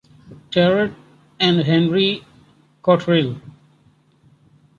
Terrot and Henry Cotterill.